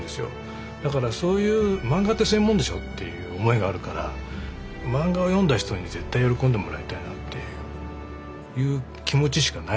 だから漫画ってそういうものでしょっていう思いがあるから漫画を読んだ人に絶対喜んでもらいたいなっていう気持ちしかないんですよ。